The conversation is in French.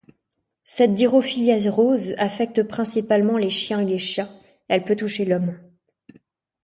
Cette dirofilariose affecte principalement les chiens et les chats, elle peut toucher l'Homme.